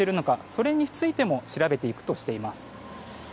それについても調べていくとしています。